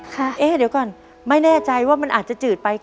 เอ๊ะเดี๋ยวก่อนไม่แน่ใจว่ามันอาจจะจืดไป